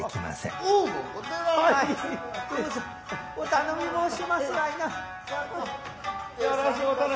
お頼み申しますわいな。